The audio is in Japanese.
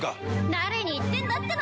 誰に言ってんだっての？